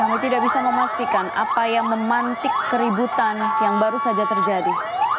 kami tidak bisa memastikan apa yang memantik keributan yang baru saja terjadi